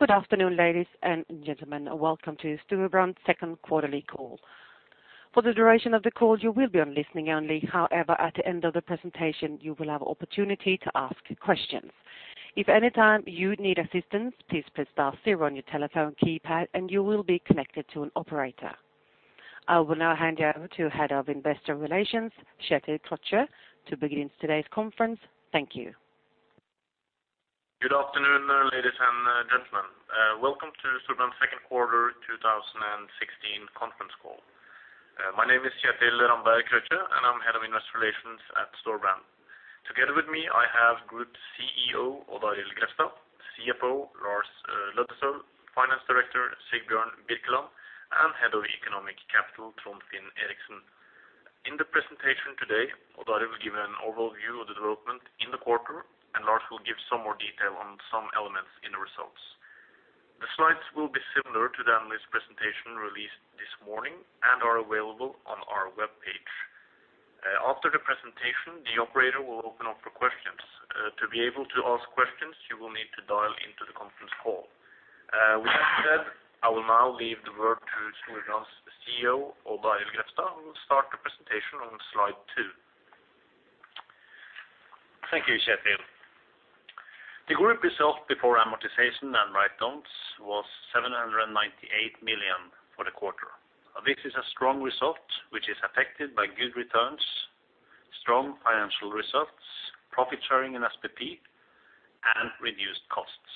Good afternoon, ladies and gentlemen, and welcome to Storebrand's second quarterly call. For the duration of the call, you will be on listening only. However, at the end of the presentation, you will have opportunity to ask questions. If any time you need assistance, please press star zero on your telephone keypad, and you will be connected to an operator. I will now hand you over to Head of Investor Relations Kjetil Ramberg Krøkje to begin today's conference. Thank you. Good afternoon, ladies and gentlemen. Welcome to Storebrand's second quarter 2016 conference call. My name is Kjetil Ramberg Krøkje, and I'm Head of Investor Relations at Storebrand. Together with me, I have Group CEO Odd Arild Grefstad, CFO Lars Løddesøl, Finance Director Sigbjørn Birkeland, and Head of Economic Capital Trond Finn Eriksen. In the presentation today, Odd Arild will give an overview of the development in the quarter, and Lars will give some more detail on some elements in the results. The slides will be similar to the analyst presentation released this morning and are available on our webpage. After the presentation, the operator will open up for questions. To be able to ask questions, you will need to dial into the conference call. With that said, I will now leave the word to Storebrand's CEO, Odd Arild Grefstad, who will start the presentation on slide two. Thank you, Kjetil. The group result before amortization and write-downs was 798 million for the quarter. This is a strong result, which is affected by good returns, strong financial results, profit sharing in SPP, and reduced costs.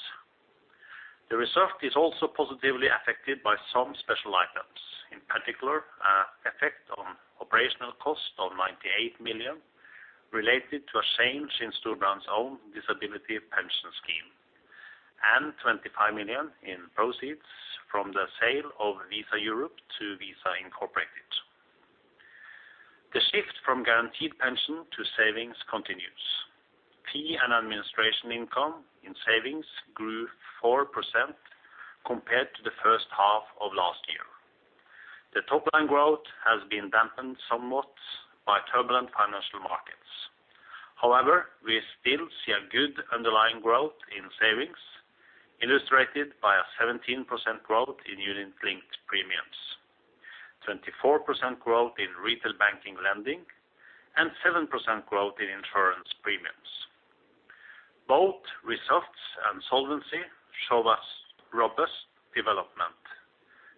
The result is also positively affected by some special items, in particular, effect on operational cost of 98 million related to a change in Storebrand's own disability pension scheme, and 25 million in proceeds from the sale of Visa Europe to Visa Incorporated. The shift from guaranteed pension to savings continues. Fee and administration income in savings grew 4% compared to the first half of last year. The top line growth has been dampened somewhat by turbulent financial markets. However, we still see a good underlying growth in savings, illustrated by a 17% growth in unit-linked premiums, 24% growth in retail banking lending, and 7% growth in insurance premiums. Both results and solvency show us robust development,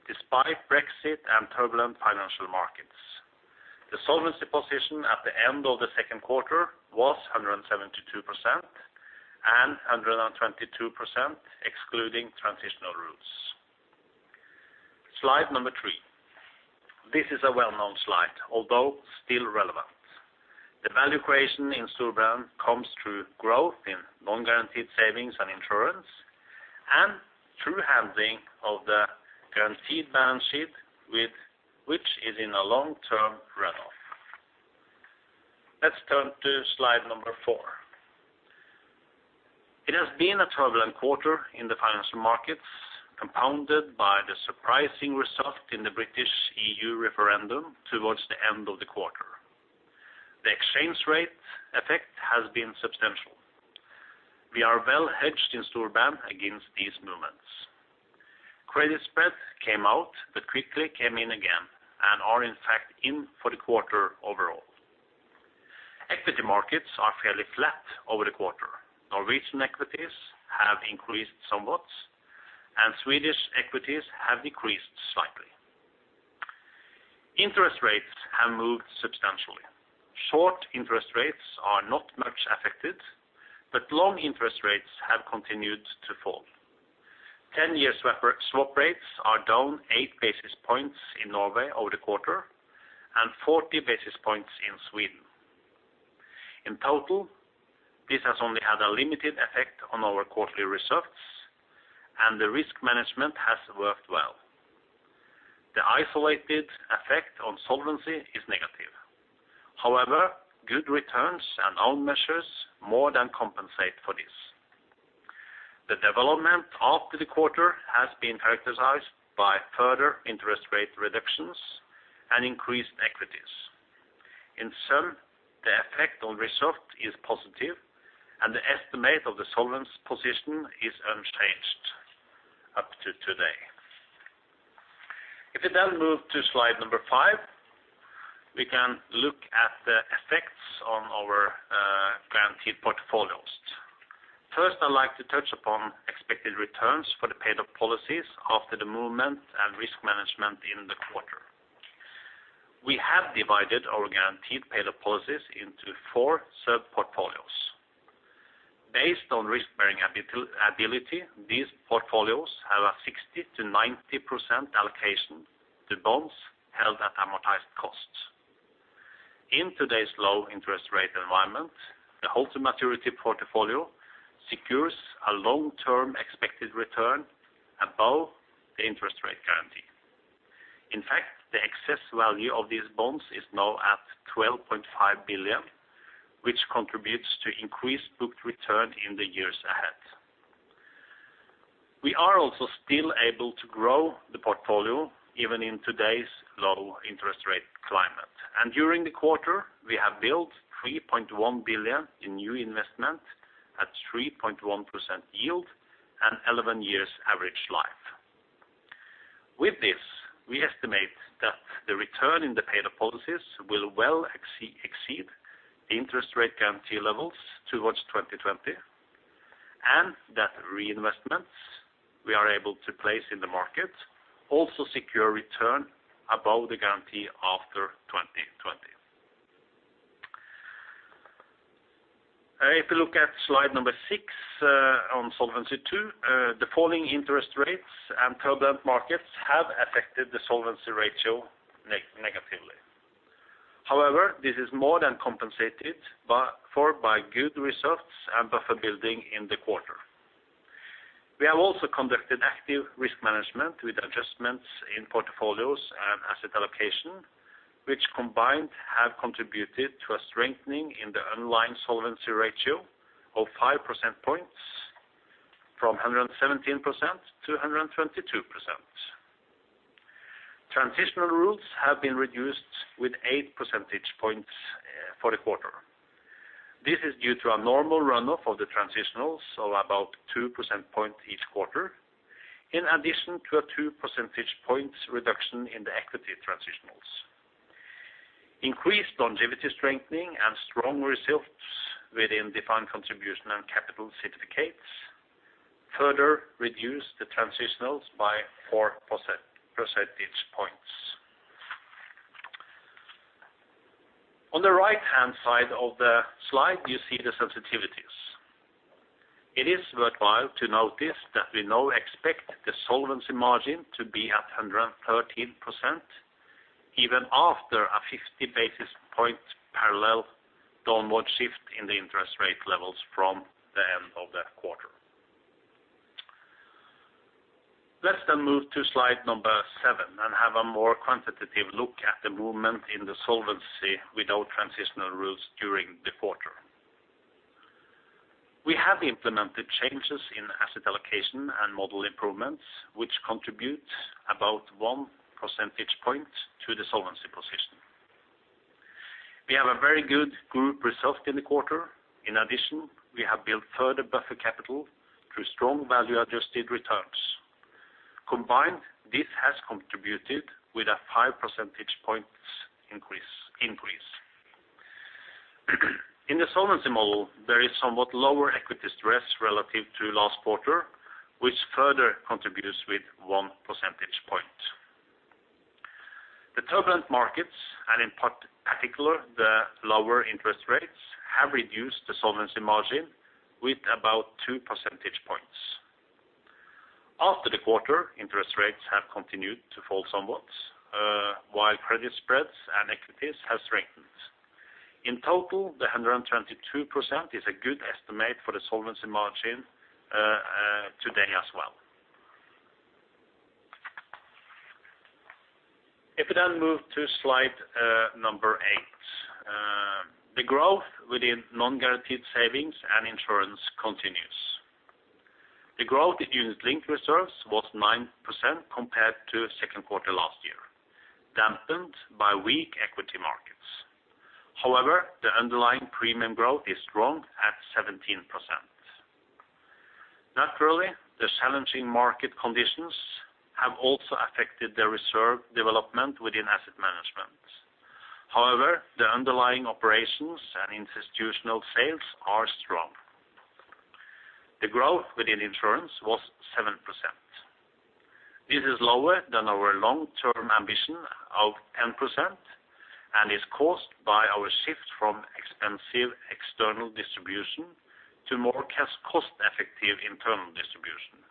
despite Brexit and turbulent financial markets. The solvency position at the end of the second quarter was 172%, and 122%, excluding transitional rules. Slide number 3. This is a well-known slide, although still relevant. The value creation in Storebrand comes through growth in non-guaranteed savings and insurance, and through handling of the guaranteed balance sheet with, which is in a long-term run-off. Let's turn to slide number 4. It has been a turbulent quarter in the financial markets, compounded by the surprising result in the British EU referendum towards the end of the quarter. The exchange rate effect has been substantial. We are well hedged in Storebrand against these movements. Credit spreads came out, but quickly came in again, and are, in fact, in for the quarter overall. Equity markets are fairly flat over the quarter. Norwegian equities have increased somewhat, and Swedish equities have decreased slightly. Interest rates have moved substantially. Short interest rates are not much affected, but long interest rates have continued to fall. 10-year swap rates are down 8 basis points in Norway over the quarter and 40 basis points in Sweden. In total, this has only had a limited effect on our quarterly results, and the risk management has worked well. The isolated effect on solvency is negative. However, good returns and own measures more than compensate for this. The development after the quarter has been characterized by further interest rate reductions and increased equities. In sum, the effect on result is positive, and the estimate of the solvency position is unchanged up to today. If you then move to slide number 5, we can look at the effects on our guaranteed portfolios. First, I'd like to touch upon expected returns for the paid-up policies after the movement and risk management in the quarter. We have divided our guaranteed paid-up policies into 4 sub-portfolios. Based on risk-bearing ability, these portfolios have a 60%-90% allocation to bonds held at amortized costs. In today's low interest rate environment, the hold-to-maturity portfolio secures a long-term expected return above the interest rate guarantee. In fact, the excess value of these bonds is now at 12.5 billion, which contributes to increased booked return in the years ahead. We are also still able to grow the portfolio, even in today's low interest rate climate. And during the quarter, we have built 3.1 billion in new investment at 3.1% yield and 11 years average life. With this, we estimate that the return in the paid-up policies will well exceed the interest rate guarantee levels towards 2020, and that reinvestments we are able to place in the market also secure return above the guarantee after 2020. If you look at slide number 6, on Solvency II, the falling interest rates and turbulent markets have affected the solvency ratio negatively. However, this is more than compensated by good results and buffer building in the quarter. We have also conducted active risk management with adjustments in portfolios and asset allocation, which combined have contributed to a strengthening in the overall solvency ratio of 5 percentage points, from 117% to 122%. Transitional rules have been reduced with 8 percentage points for the quarter. This is due to a normal runoff of the transitionals of about 2 percentage points each quarter, in addition to a 2 percentage points reduction in the equity transitionals. Increased longevity, strengthening, and strong results within defined contribution and capital certificates further reduce the transitionals by 4 percentage points. On the right-hand side of the slide, you see the sensitivities. It is worthwhile to notice that we now expect the solvency margin to be at 113%, even after a 50 basis point parallel downward shift in the interest rate levels from the end of the quarter. Let's then move to slide number 7 and have a more quantitative look at the movement in the solvency without transitional rules during the quarter. We have implemented changes in asset allocation and model improvements, which contribute about 1 percentage point to the solvency position. We have a very good group result in the quarter. In addition, we have built further buffer capital through strong value-adjusted returns. Combined, this has contributed with a 5 percentage points increase. In the solvency model, there is somewhat lower equity stress relative to last quarter, which further contributes with 1 percentage point. The turbulent markets, and in particular, the lower interest rates, have reduced the solvency margin with about 2 percentage points. After the quarter, interest rates have continued to fall somewhat, while credit spreads and equities have strengthened. In total, the 122% is a good estimate for the solvency margin, today as well. If we then move to slide, number 8. The growth within non-guaranteed savings and insurance continues. The growth in unit-linked reserves was 9% compared to second quarter last year, dampened by weak equity markets. However, the underlying premium growth is strong at 17%. Naturally, the challenging market conditions have also affected the reserve development within asset management. However, the underlying operations and institutional sales are strong. The growth within insurance was 7%. This is lower than our long-term ambition of 10%, and is caused by our shift from expensive external distribution to more cost-effective internal distribution.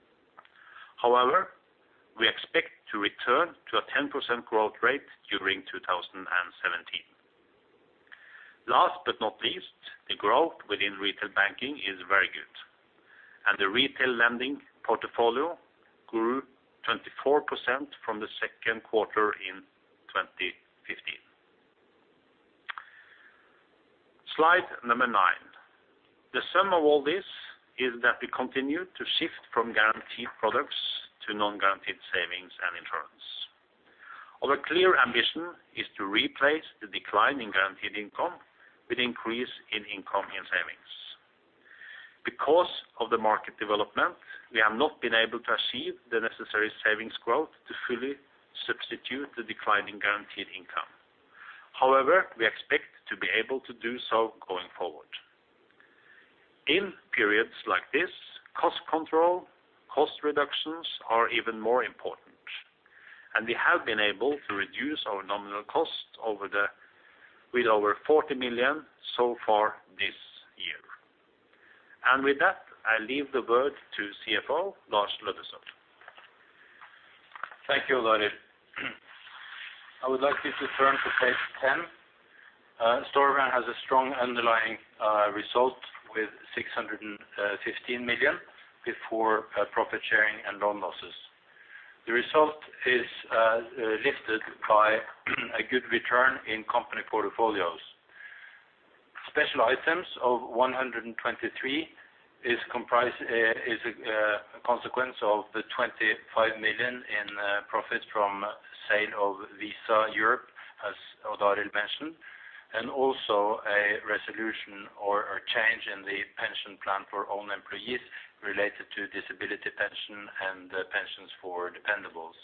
However, we expect to return to a 10% growth rate during 2017. Last but not least, the growth within retail banking is very good, and the retail lending portfolio grew 24% from the second quarter in 2015. Slide number 9. The sum of all this is that we continue to shift from guaranteed products to non-guaranteed savings and insurance. Our clear ambition is to replace the decline in guaranteed income with increase in income and savings. Because of the market development, we have not been able to achieve the necessary savings growth to fully substitute the decline in guaranteed income. However, we expect to be able to do so going forward. In periods like this, cost control, cost reductions are even more important, and we have been able to reduce our nominal cost with over 40 million so far this year. And with that, I leave the word to CFO, Lars Aasulv Løddesøl. Thank you, Lars. I would like you to turn to page 10. Storebrand has a strong underlying result with 615 million before profit sharing and loan losses. The result is lifted by a good return in company portfolios. Special items of 123 is comprised is a consequence of the 25 million in profits from sale of Visa Europe, as Odd Arild mentioned, and also a resolution or change in the pension plan for own employees related to disability pension and pensions for dependents.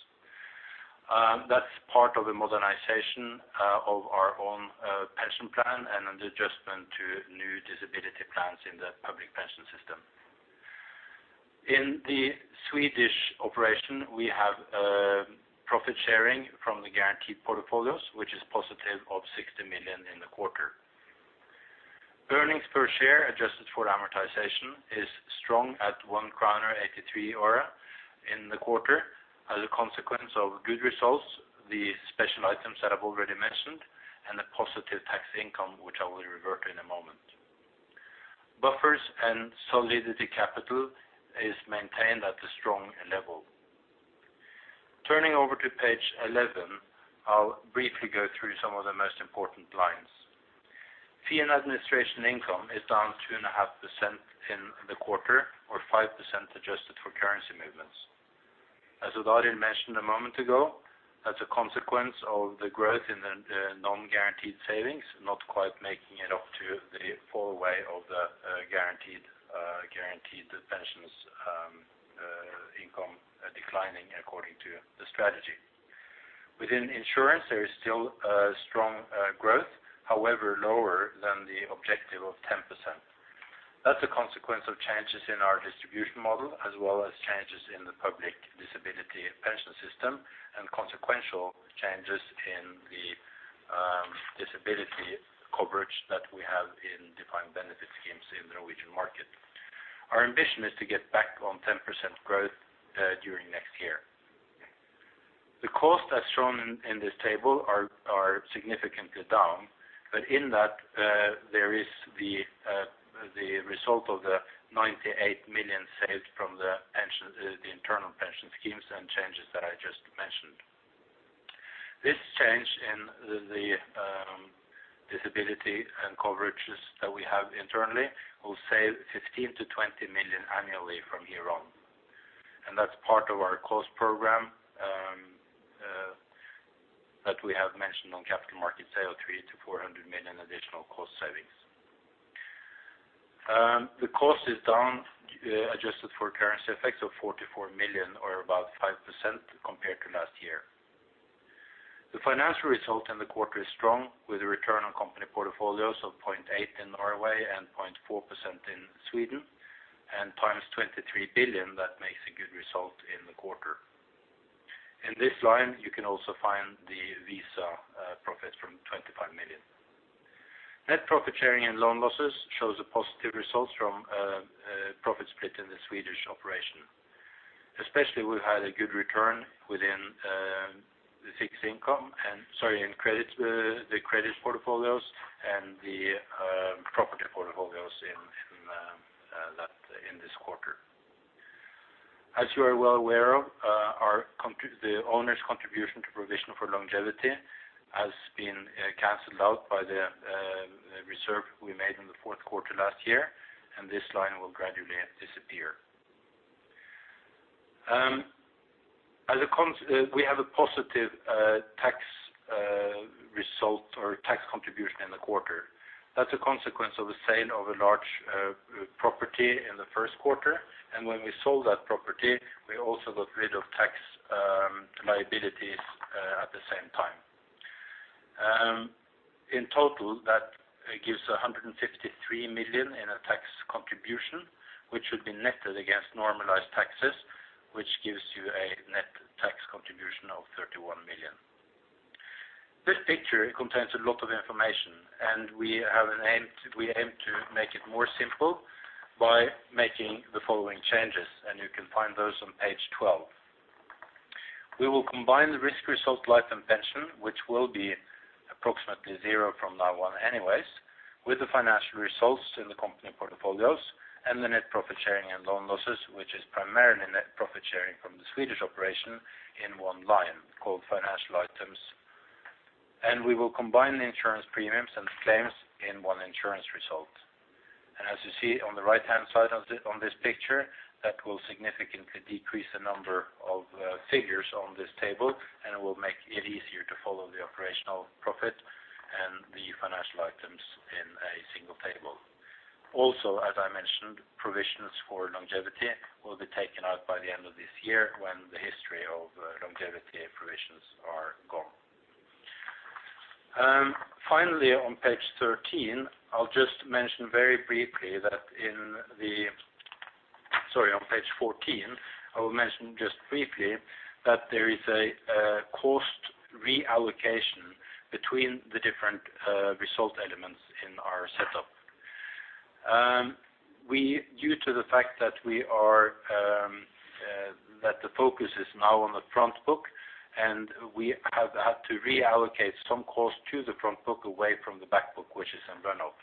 That's part of the modernization of our own pension plan and an adjustment to new disability plans in the public pension system. In the Swedish operation, we have profit sharing from the guaranteed portfolios, which is positive of 60 million in the quarter. Earnings per share, adjusted for amortization, is strong at 1.83 kroner in the quarter as a consequence of good results, the special items that I've already mentioned, and the positive tax income, which I will revert to in a moment. Buffers and solvency capital is maintained at a strong level. Turning over to page 11, I'll briefly go through some of the most important lines. Fee and administration income is down 2.5% in the quarter, or 5% adjusted for currency movements. As Odd Arild mentioned a moment ago, as a consequence of the growth in the non-guaranteed savings, not quite making it up to the full way of the guaranteed pensions, income declining according to the strategy. Within insurance, there is still a strong growth, however, lower than the objective of 10%. That's a consequence of changes in our distribution model, as well as changes in the public disability pension system, and consequential changes in the disability coverage that we have in defined benefit schemes in the Norwegian market. Our ambition is to get back on 10% growth during next year. The costs as shown in this table are significantly down, but in that there is the result of the 98 million saved from the pension, the internal pension schemes and changes that I just mentioned. This change in the disability and coverages that we have internally will save 15-20 million annually from here on, and that's part of our cost program that we have mentioned on Capital Markets Day of 300-400 million additional cost savings. The cost is down, adjusted for currency effects of 44 million, or about 5% compared to last year. The financial result in the quarter is strong, with a return on company portfolios of 0.8% in Norway and 0.4% in Sweden, and × 23 billion, that makes a good result in the quarter. In this line, you can also find the Visa profit from 25 million. Net profit sharing and loan losses shows a positive result from profit split in the Swedish operation. Especially, we've had a good return within the fixed income and in credit, the credit portfolios and the property portfolios in this quarter. As you are well aware of, the owner's contribution to provision for longevity has been canceled out by the reserve we made in the fourth quarter last year, and this line will gradually disappear. We have a positive tax result or tax contribution in the quarter. That's a consequence of the sale of a large property in the first quarter, and when we sold that property, we also got rid of tax liabilities at the same time. In total, that gives 153 million in a tax contribution, which would be netted against normalized taxes, which gives you a net tax contribution of 31 million. This picture contains a lot of information, and we have an aim, we aim to make it more simple by making the following changes, and you can find those on page 12. We will combine the risk result life and pension, which will be approximately zero from now on anyways, with the financial results in the company portfolios and the net profit sharing and loan losses, which is primarily net profit sharing from the Swedish operation in one line, called financial items. We will combine the insurance premiums and claims in one insurance result. As you see on the right-hand side of this, on this picture, that will significantly decrease the number of figures on this table, and it will make it easier to follow the operational profit and the financial items in a single table. Also, as I mentioned, provisions for longevity will be taken out by the end of this year when the history of longevity provisions are gone. Finally, on page 13, I'll just mention very briefly that... Sorry, on page 14, I will mention just briefly that there is a cost reallocation between the different result elements in our setup. We, due to the fact that we are, that the focus is now on the front book, and we have had to reallocate some cost to the front book away from the back book, which is in runoff.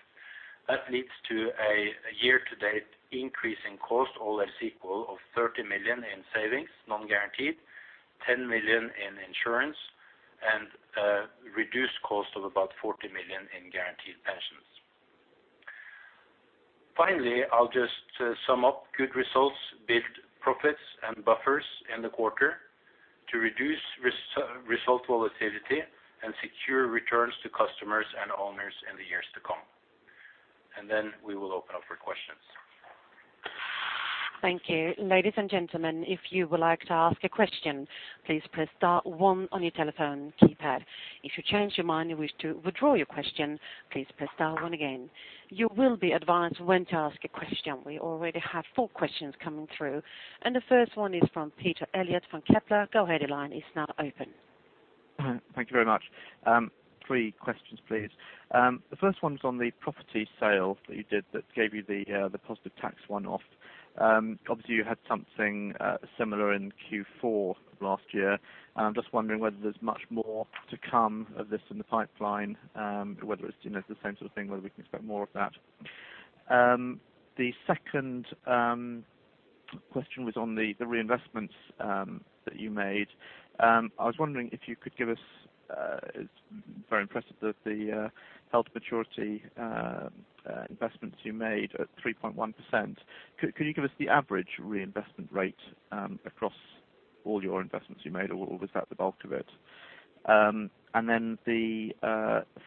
That leads to a year-to-date increase in cost, all else equal, of 30 million in savings, non-guaranteed, 10 million in insurance, and a reduced cost of about 40 million in guaranteed pensions. Finally, I'll just sum up good results, build profits and buffers in the quarter to reduce result volatility and secure returns to customers and owners in the years to come. And then we will open up for questions. Thank you. Ladies and gentlemen, if you would like to ask a question, please press star one on your telephone keypad. If you change your mind and wish to withdraw your question, please press star one again. You will be advised when to ask a question. We already have four questions coming through, and the first one is from Peter Eliot from Kepler. Go ahead, your line is now open. Thank you very much. Three questions, please. The first one's on the property sale that you did that gave you the positive tax one-off. Obviously, you had something similar in Q4 of last year. And I'm just wondering whether there's much more to come of this in the pipeline, whether it's, you know, the same sort of thing, whether we can expect more of that. The second question was on the reinvestments that you made. I was wondering if you could give us, it's very impressive that the held-to-maturity investments you made at 3.1%. Could you give us the average reinvestment rate across all your investments you made, or was that the bulk of it? Then the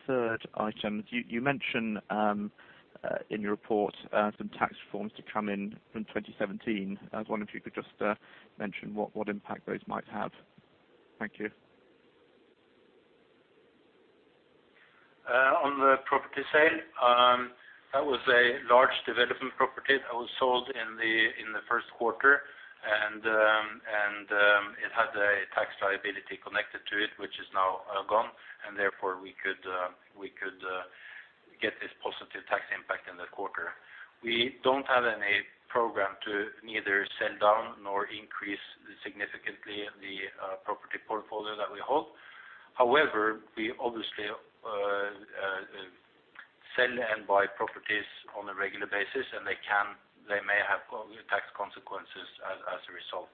third item, you mention in your report some tax reforms to come in from 2017. I was wondering if you could just mention what impact those might have. Thank you. On the property sale, that was a large development property that was sold in the first quarter. It had a tax liability connected to it, which is now gone, and therefore, we could get this positive tax impact in the quarter. We don't have any program to neither sell down nor increase significantly the property portfolio that we hold. However, we obviously sell and buy properties on a regular basis, and they can, they may have tax consequences as a result.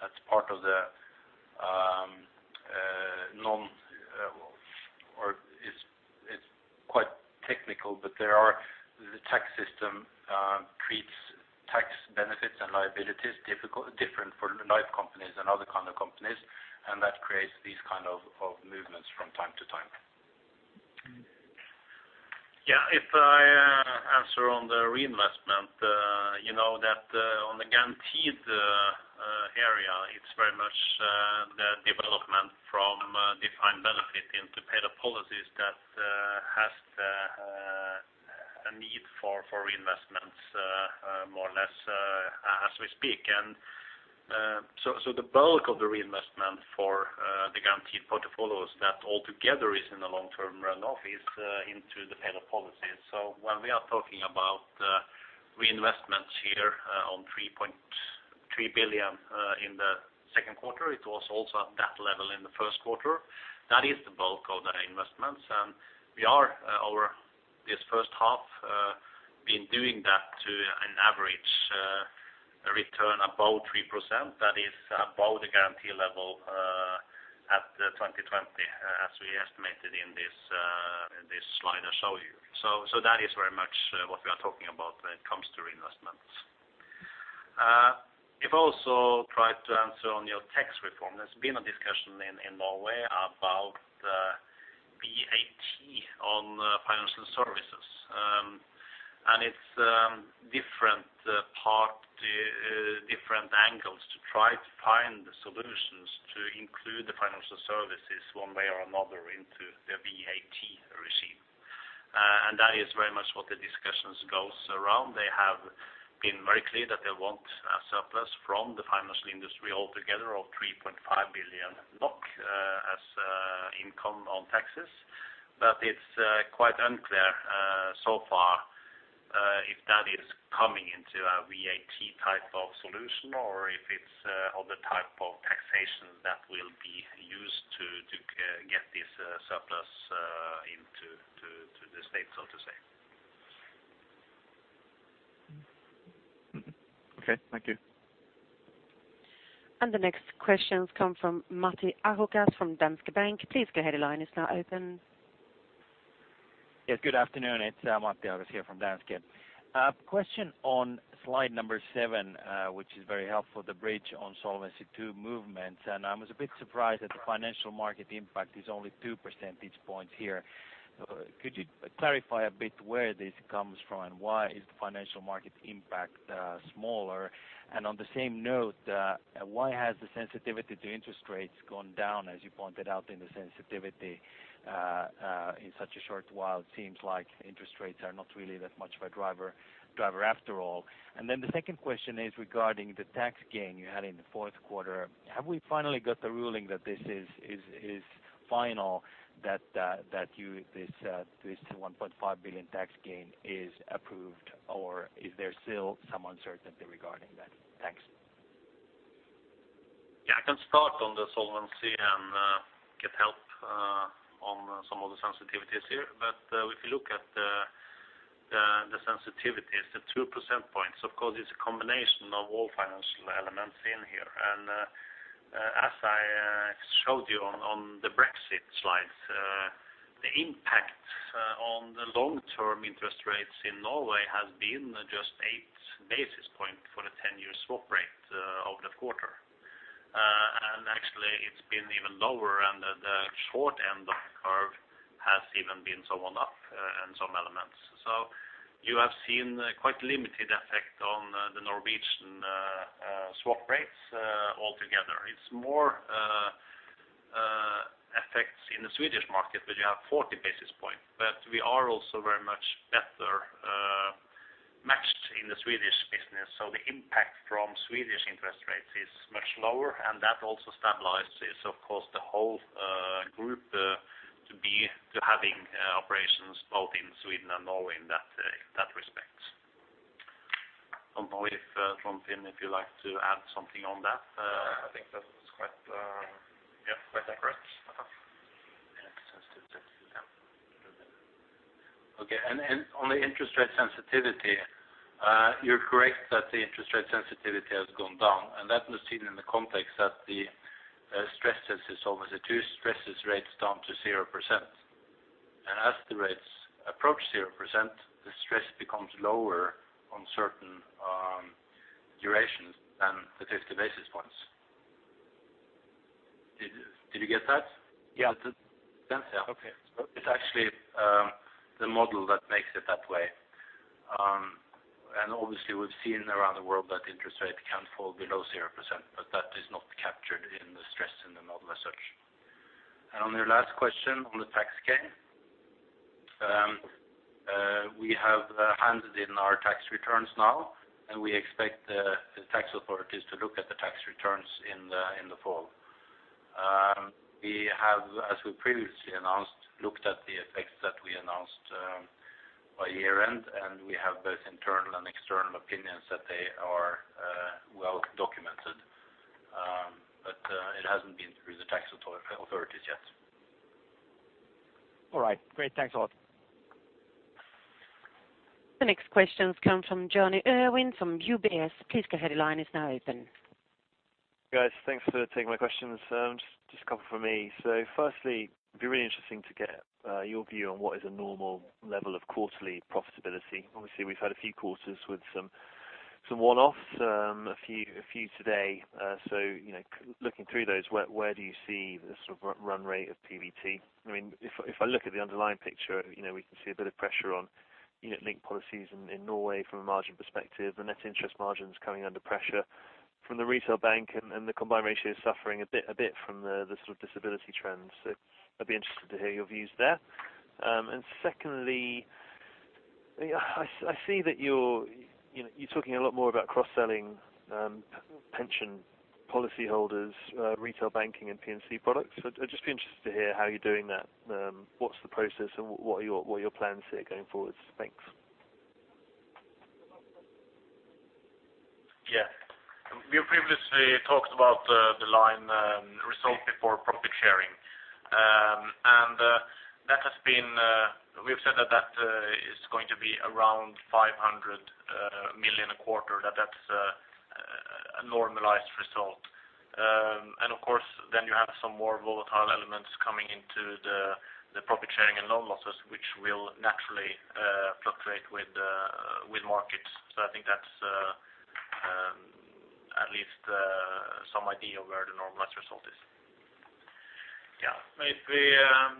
That's part of the, or it's quite technical, but there are, the tax system creates tax benefits and liabilities, different for life companies and other kind of companies, and that creates these kind of movements from time to time. Yeah, if I answer on the reinvestment, you know, that on the guaranteed area, it's very much the development from defined benefit into paid-up policies that has a need for reinvestments, more or less, as we speak. And so the bulk of the reinvestment for the guaranteed portfolios that altogether is in the long term run-off is into the paid-up policies. So when we are talking about reinvestments here, on 3.3 billion in the second quarter, it was also at that level in the first quarter. That is the bulk of the investments, and we are over this first half been doing that to an average return about 3%. That is about the guarantee level at 2020, as we estimated in this in this slide I show you. So that is very much what we are talking about when it comes to reinvestments. If I also try to answer on your tax reform, there's been a discussion in in Norway about VAT on financial services. And it's different part different angles to try to find the solutions to include the financial services one way or another into the VAT regime. And that is very much what the discussions goes around. They have been very clear that they want a surplus from the financial industry altogether of 3.5 billion as income on taxes. But it's quite unclear so far if that is coming into a VAT type of solution or if it's other type of taxation that will be used to get this surplus into the state, so to say. Mm-hmm. Okay, thank you. The next questions come from Matti Ahokas from Danske Bank. Please go ahead, your line is now open. Yes, good afternoon. It's Matti Ahokas here from Danske. Question on slide number 7, which is very helpful, the bridge on Solvency II movements, and I was a bit surprised that the financial market impact is only two percentage points here. Could you clarify a bit where this comes from, and why is the financial market impact smaller? And on the same note, why has the sensitivity to interest rates gone down, as you pointed out in the sensitivity in such a short while? It seems like interest rates are not really that much of a driver after all. And then the second question is regarding the tax gain you had in the fourth quarter. Have we finally got the ruling that this is final, that this 1.5 billion tax gain is approved, or is there still some uncertainty regarding that? Thanks. Yeah, I can start on the solvency and get help on some of the sensitivities here. But if you look at the sensitivities, the 2 percentage points, of course, it's a combination of all financial elements in here. And as I showed you on the Brexit slides, the impact on the long term interest rates in Norway has been just 8 basis points for the 10-year swap rate over the quarter. And actually it's been even lower, and the short end of the curve has even been so on up in some elements. So you have seen quite limited effect on the Norwegian swap rates altogether. It's more effects in the Swedish market, where you have 40 basis points. But we are also very much better matched in the Swedish business, so the impact from Swedish interest rates is much lower, and that also stabilizes, of course, the whole group to having operations both in Sweden and Norway in that respect. I don't know if, Trond, if you'd like to add something on that? I think that's quite, yeah, quite accurate. Okay, and on the interest rate sensitivity, you're correct that the interest rate sensitivity has gone down, and that was seen in the context that the stress test is over. The two stresses rates down to 0%. And as the rates approach 0%, the stress becomes lower on certain durations than the 50 basis points. Did you get that? Yeah. Okay. It's actually the model that makes it that way. And obviously we've seen around the world that interest rate can fall below 0%, but that is not captured in the stress in the model as such. And on your last question, on the tax gain, we have handed in our tax returns now, and we expect the tax authorities to look at the tax returns in the fall. We have, as we previously announced, looked at the effects that we announced by year-end, and we have both internal and external opinions that they are well documented. But it hasn't been through the tax authorities yet. All right. Great. Thanks a lot. The next question comes from Jonny Urwin, from UBS. Please go ahead, your line is now open. Guys, thanks for taking my questions. Just a couple from me. So firstly, it'd be really interesting to get your view on what is a normal level of quarterly profitability. Obviously, we've had a few quarters with some one-offs, a few today. So, you know, looking through those, where do you see the sort of run rate of PBT? I mean, if I look at the underlying picture, you know, we can see a bit of pressure on unit-linked policies in Norway from a margin perspective. The net interest margin is coming under pressure from the retail bank, and the combined ratio is suffering a bit from the sort of disability trends. So I'd be interested to hear your views there. And secondly, I see that you're, you know, you're talking a lot more about cross-selling pension policyholders, retail banking and P&C products. So I'd just be interested to hear how you're doing that, what's the process and what are your plans here going forward? Thanks. Yeah. We previously talked about the line result before profit sharing. And that has been, we've said that that is going to be around 500 million a quarter, that that's a normalized result. And of course, then you have some more volatile elements coming into the profit sharing and loan losses, which will naturally fluctuate with markets. So I think that's at least some idea of where the normalized result is. Yeah. If we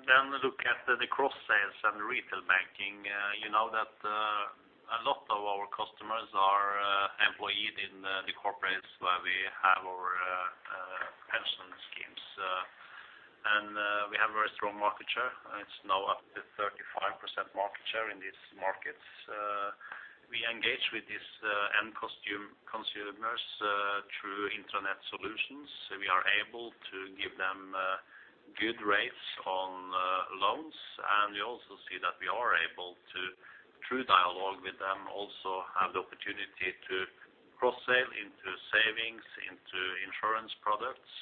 then look at the cross sales and retail banking, you know that a lot of our customers are employed in the corporates where we have our pension schemes. And we have a very strong market share, and it's now up to 35% market share in these markets. We engage with these end consumers through internet solutions, so we are able to give them good rates on loans. And we also see that we are able to, through dialogue with them, also have the opportunity to cross-sale into savings, into insurance products.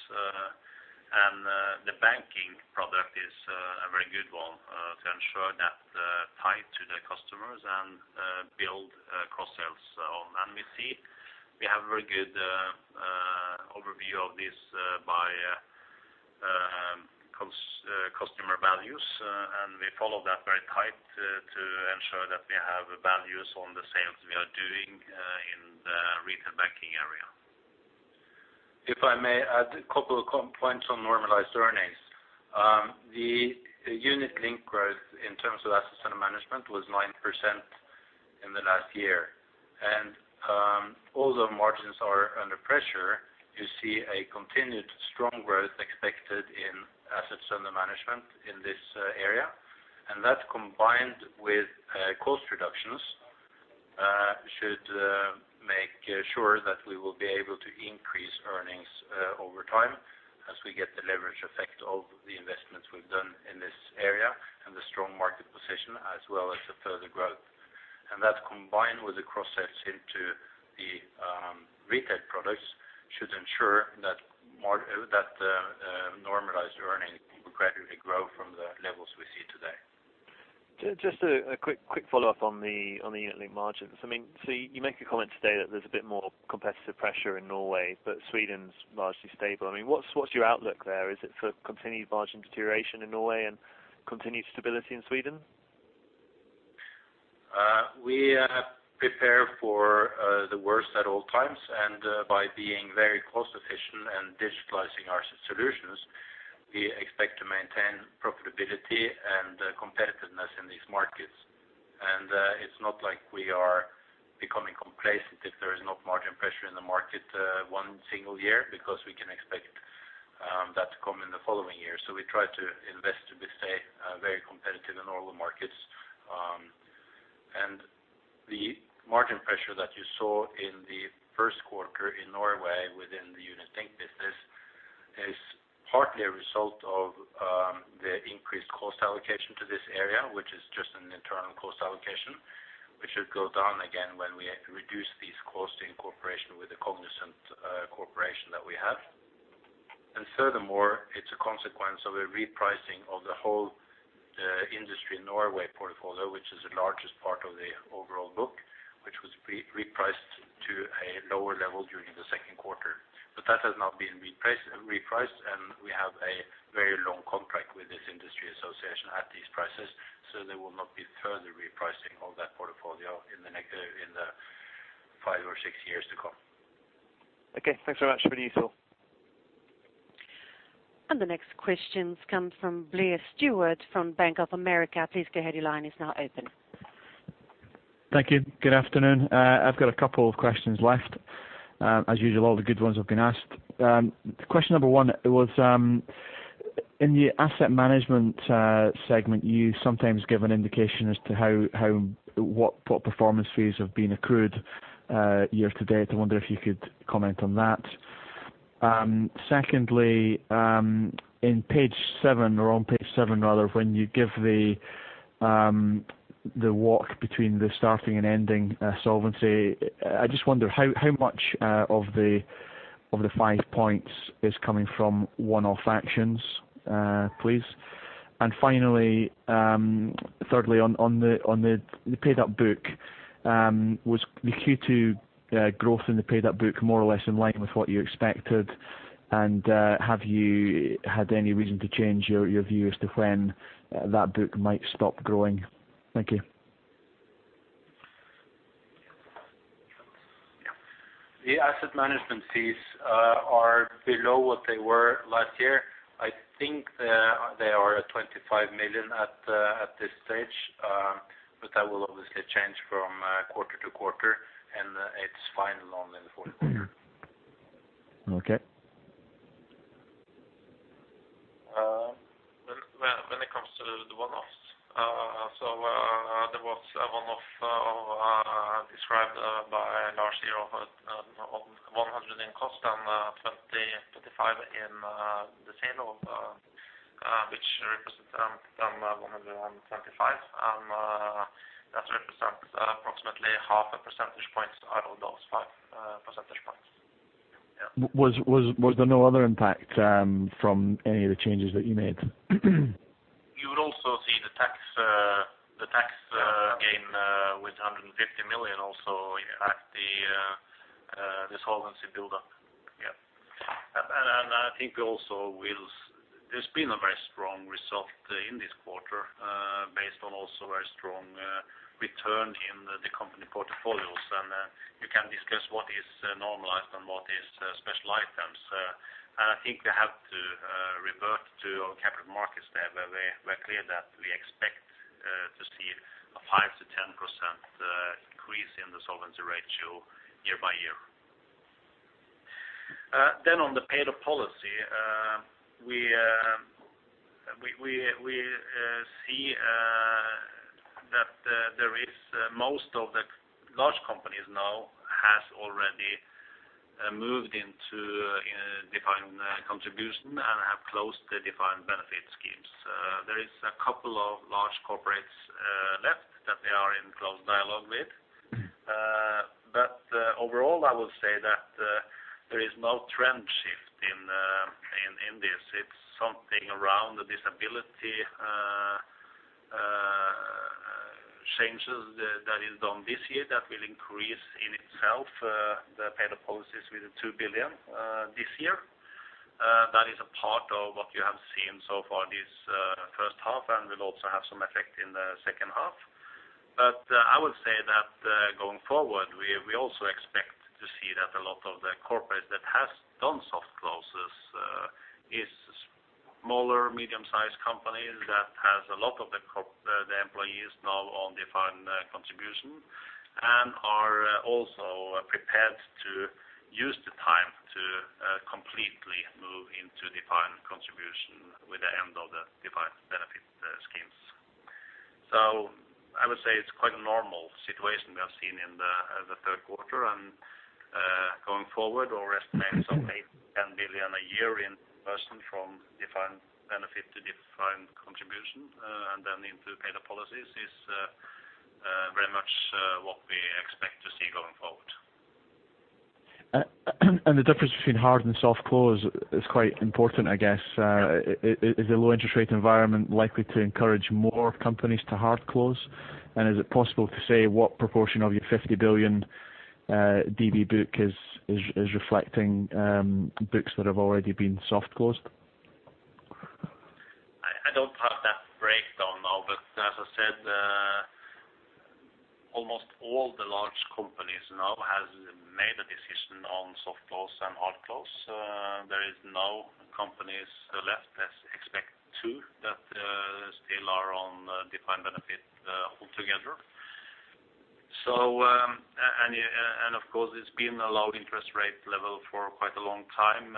And the banking product is a very good one to ensure that tie to the customers and build cross-sales on. And we see we have a very good overview of this by customer values, and we follow that very tight to ensure that we have values on the sales we are doing in the retail banking area. If I may add a couple of points on normalized earnings. The unit-linked growth in terms of assets under management was 9% in the last year. And although margins are under pressure, you see a continued strong growth expected in assets under management in this area. And that, combined with cost reductions, should make sure that we will be able to increase earnings over time as we get the leverage effect of the investments we've done in this area, and the strong market position, as well as the further growth. And that, combined with the cross sales into the retail products, should ensure that the- ...Just a quick follow-up on the unit-linked margins. I mean, so you make a comment today that there's a bit more competitive pressure in Norway, but Sweden's largely stable. I mean, what's your outlook there? Is it for continued margin deterioration in Norway and continued stability in Sweden? We prepare for the worst at all times, and by being very cost efficient and digitalizing our solutions, we expect to maintain profitability and competitiveness in these markets. And it's not like we are becoming complacent if there is no margin pressure in the market one single year, because we can expect that to come in the following year. So we try to invest to stay very competitive in all the markets. And the margin pressure that you saw in the first quarter in Norway within the unit-linked business is partly a result of the increased cost allocation to this area, which is just an internal cost allocation, which should go down again when we reduce these costs in cooperation with the Cognizant corporation that we have. Furthermore, it's a consequence of a repricing of the whole industry Norway portfolio, which is the largest part of the overall book, which was repriced to a lower level during the second quarter. But that has now been repriced, and we have a very long contract with this industry association at these prices, so there will not be further repricing of that portfolio in the next five or six years to come. Okay, thanks very much for the useful. The next questions come from Blair Stewart, from Bank of America. Please go ahead, your line is now open. Thank you. Good afternoon. I've got a couple of questions left. As usual, all the good ones have been asked. Question number one was, in the asset management segment, you sometimes give an indication as to how what performance fees have been accrued year to date. I wonder if you could comment on that. Secondly, on page seven rather, when you give the walk between the starting and ending solvency, I just wonder how much of the five points is coming from one-off actions, please? And finally, thirdly, on the paid up book, was the Q2 growth in the paid up book more or less in line with what you expected? Have you had any reason to change your view as to when that book might stop growing? Thank you. The asset management fees are below what they were last year. I think they are at 25 million at this stage. But that will obviously change from quarter to quarter, and it's final only in the full year. Okay. When it comes to the one-offs, there was a one-off described by Lars here of 100 in cost and 20-35 in the sale of, which represents around 125, and that represents approximately half a percentage points out of those five percentage points. Yeah. Was there no other impact from any of the changes that you made? You would also see the tax gain with 150 million also impact the solvency build up. Yeah. I think we also will—there's been a very strong result in this quarter, based on also very strong return in the company portfolios. You can discuss what is normalized and what is special items. I think we have to revert to our capital markets there, where we're clear that we expect to see a 5%-10% increase in the solvency ratio year by year. Then on the paid-up policy, we see that there is most of the large companies now has already moved into defined contribution and have closed the defined benefit schemes. There is a couple of large corporates left, that they are in close dialogue with. But overall, I would say that there is no trend shift in this. It's something around the disability changes that is done this year, that will increase in itself the paid-up policies with the 2 billion this year. That is a part of what you have seen so far this first half, and will also have some effect in the second half. But I would say that going forward, we also expect to see that a lot of the corporates that has done soft closes is smaller, medium-sized companies that has a lot of the employees now on defined contribution, and are also prepared to use the time to completely move into defined contribution with the end of the defined benefit schemes. So I would say it's quite a normal situation we have seen in the third quarter. And going forward, we're estimating some 8 billion-10 billion a year in pension from defined benefit to defined contribution, and then into paid-up policies is going forward. The difference between hard and soft close is quite important, I guess. Is the low interest rate environment likely to encourage more companies to hard close? Is it possible to say what proportion of your 50 billion DB book is reflecting books that have already been soft closed? I don't have that breakdown now, but as I said, almost all the large companies now have made a decision on soft close and hard close. There is no companies left that expect to still are on defined benefit altogether. Of course, it's been a low interest rate level for quite a long time.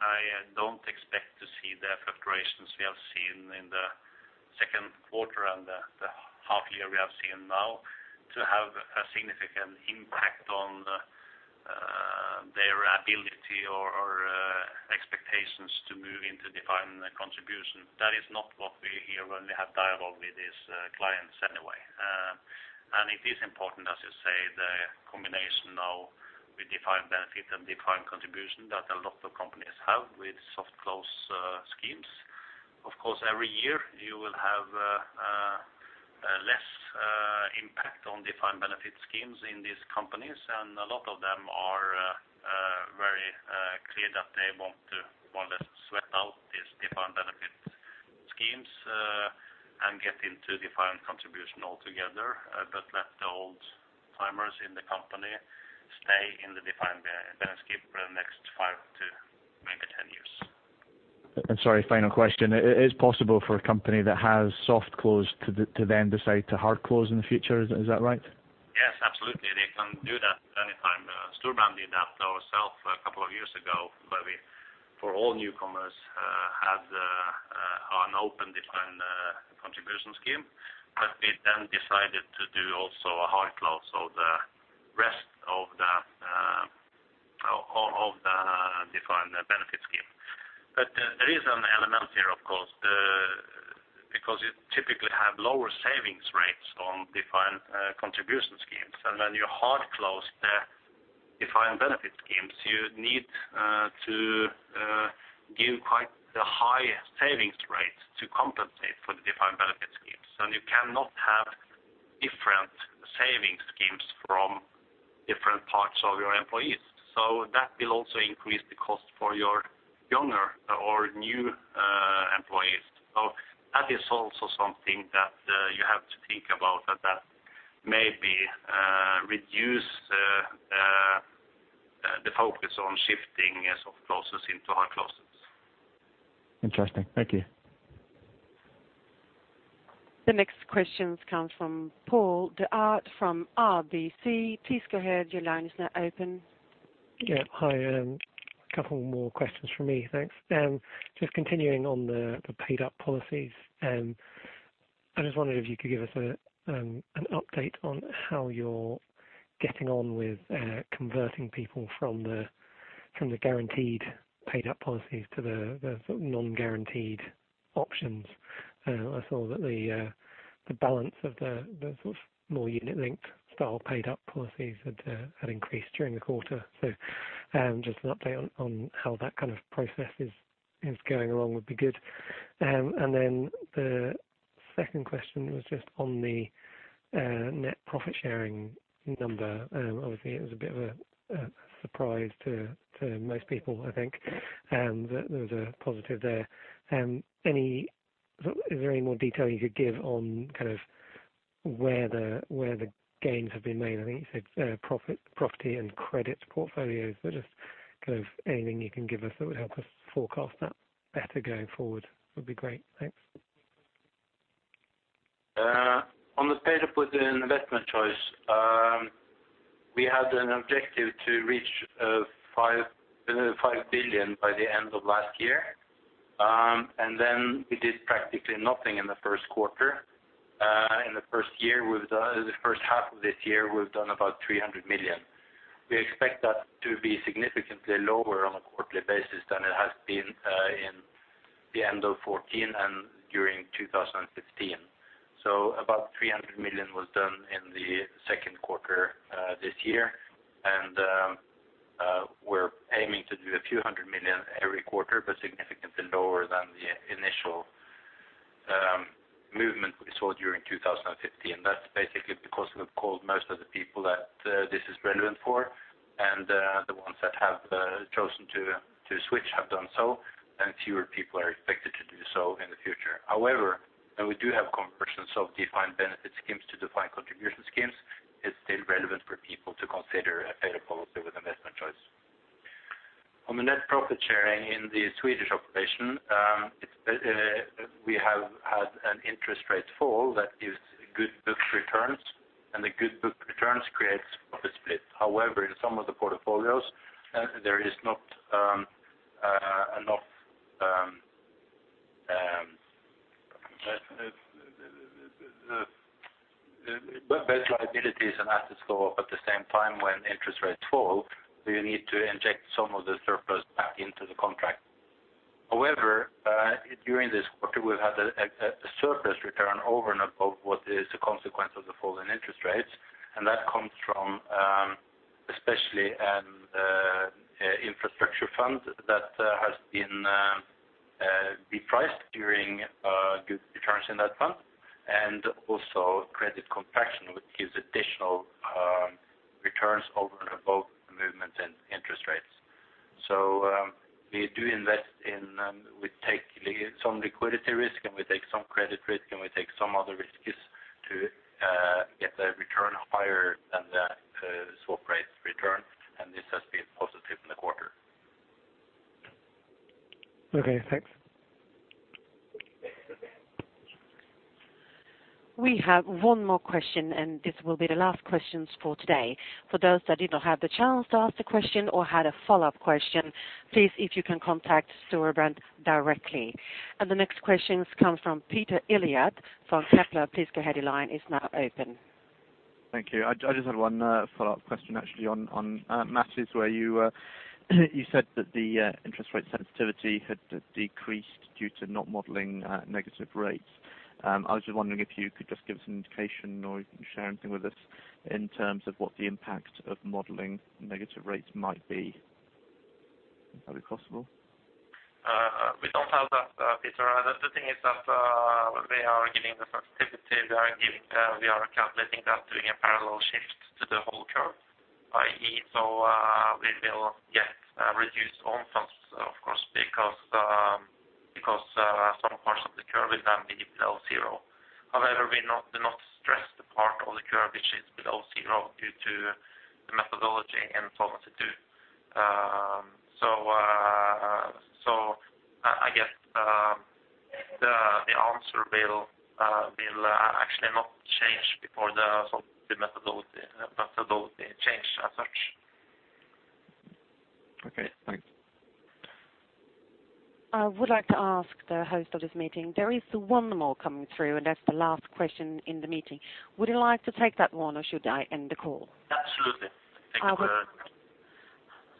I don't expect to see the fluctuations we have seen in the second quarter and the half year we have seen now to have a significant impact on their ability or expectations to move into defined contribution. That is not what we hear when we have dialogue with these clients anyway. It is important, as you say, the combination now with defined benefit and defined contribution that a lot of companies have with soft close schemes. Of course, every year you will have less impact on defined benefit schemes in these companies, and a lot of them are very clear that they want to want to sweat out these defined benefit schemes and get into defined contribution altogether. But let the old timers in the company stay in the defined benefit scheme for the next 5 to maybe 10 years. Sorry, final question. It is possible for a company that has Soft Closed to then decide to Hard Close in the future, is that right? Yes, absolutely. They can do that anytime. Storebrand did that ourselves a couple of years ago, where we, for all newcomers, had an open defined contribution scheme. But we then decided to do also a hard close, so the rest of the of the defined benefit scheme. But there is an element here, of course, because you typically have lower savings rates on defined contribution schemes, and when you hard close the defined benefit schemes, you need to give quite a high savings rate to compensate for the defined benefit schemes. And you cannot have different savings schemes from different parts of your employees. So that will also increase the cost for your younger or new employees. So that is also something that you have to think about, that that maybe reduce the focus on shifting soft closes into hard closes. Interesting. Thank you. The next questions come from Paul De'Ath from RBC. Please go ahead, your line is now open. Yeah. Hi, a couple more questions from me. Thanks. Just continuing on the paid-up policies, I just wondered if you could give us an update on how you're getting on with converting people from the guaranteed paid-up policies to the sort of non-guaranteed options. I saw that the balance of the sort of more unit-linked style paid-up policies had increased during the quarter. So, just an update on how that kind of process is going along would be good. And then the second question was just on the net profit sharing number. Obviously it was a bit of a surprise to most people, I think, that there was a positive there. Is there any more detail you could give on kind of where the, where the gains have been made? I think you said, profit, property and credits portfolios. So just kind of anything you can give us that would help us forecast that better going forward, would be great. Thanks. On the paid-up with the investment choice, we had an objective to reach 5.5 billion by the end of last year. And then we did practically nothing in the first quarter. In the first half of this year, we've done about 300 million. We expect that to be significantly lower on a quarterly basis than it has been in the end of 2014 and during 2015. So about 300 million was done in the second quarter this year. And we're aiming to do NOK a few hundred million every quarter, but significantly lower than the initial movement we saw during 2015. That's basically because we've called most of the people that this is relevant for, and the ones that have chosen to switch have done so, and fewer people are expected to do so in the future. However, when we do have conversions of defined benefit schemes to defined contribution schemes, it's still relevant for people to consider a better policy with investment choice. On the net profit sharing in the Swedish operation, it's we have had an interest rate fall that gives good book returns, and the good book returns creates profit split. However, in some of the portfolios, there is not enough when both liabilities and assets go up at the same time when interest rates fall, we need to inject some of the surplus back into the contract.... during this quarter, we've had a surplus return over and above what is the consequence of the fall in interest rates. And that comes from, especially, infrastructure funds that has been repriced during good returns in that fund, and also credit compression, which gives additional returns over and above the movement in interest rates. So, we do invest in, we take some liquidity risk, and we take some credit risk, and we take some other risks to get a return higher than the swap rates return, and this has been positive in the quarter. Okay, thanks. We have one more question, and this will be the last questions for today. For those that did not have the chance to ask a question or had a follow-up question, please, if you can contact Storebrand directly. The next questions come from Peter Eliot from Kepler. Please go ahead, your line is now open. Thank you. I just had one follow-up question actually on Matti, where you said that the interest rate sensitivity had decreased due to not modeling negative rates. I was just wondering if you could just give us an indication or if you can share anything with us in terms of what the impact of modeling negative rates might be. Is that be possible? We don't have that, Peter. The thing is that we are giving the sensitivity, we are giving, we are calculating that doing a parallel shift to the whole curve, i.e., so we will get reduced own funds, of course, because some parts of the curve is then below zero. However, we do not stress the part of the curve which is below zero due to the methodology and Solvency II. So I guess the answer will actually not change before the methodology change as such. Okay, thanks. I would like to ask the host of this meeting. There is one more coming through, and that's the last question in the meeting. Would you like to take that one, or should I end the call? Absolutely. Thank you very much.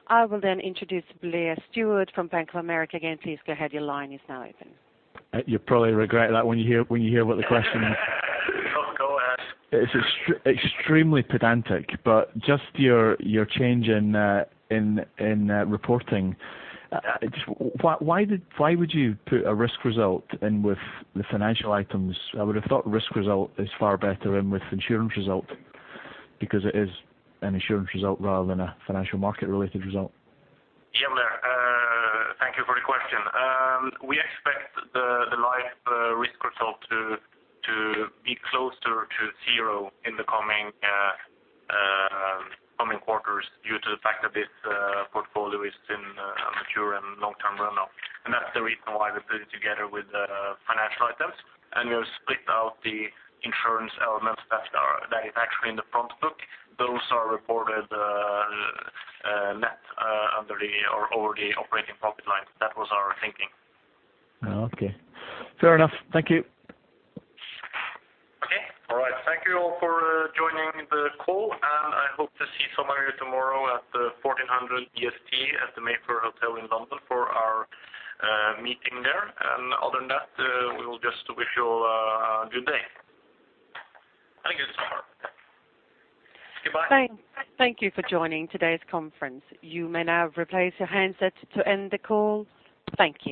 I will then introduce Blair Stewart from Bank of America. Again, please go ahead. Your line is now open. You'll probably regret that when you hear what the question is. Oh, go ahead. It's extremely pedantic, but just your change in reporting. Just why did, why would you put a risk result in with the financial items? I would have thought risk result is far better in with insurance result because it is an insurance result rather than a financial market-related result. Yeah, Blair, thank you for the question. We expect the life risk result to be closer to zero in the coming quarters, due to the fact that this portfolio is in mature and long-term runoff. And that's the reason why we put it together with the financial items, and we have split out the insurance elements that are actually in the front book. Those are reported net under or over the operating profit line. That was our thinking. Okay. Fair enough. Thank you. Okay. All right. Thank you all for joining the call, and I hope to see some of you tomorrow at 2:00 P.M. BST at the Mayfair Hotel in London for our meeting there. And other than that, we will just wish you a good day. Thank you so much. Goodbye. Thank you for joining today's conference. You may now replace your handsets to end the call. Thank you.